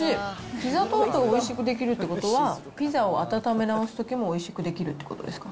ピザトーストをおいしくできるってことは、ピザを温め直すときもおいしくできるってことですか。